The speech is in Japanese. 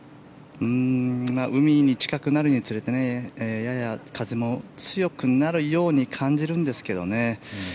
海に近くなるにつれてやや風も強くなるように感じるんですけどね。